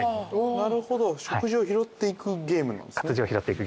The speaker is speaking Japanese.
なるほど植字を拾っていくゲームなんですね。